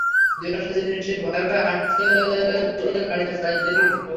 -দু-একটা জিনিস সে ভয়ে ভয়ে হাতে তুলিয়া নাড়িয়া চড়িয়া দেখিল।